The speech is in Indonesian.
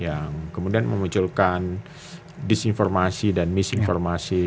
yang kemudian memunculkan disinformasi dan misinformasi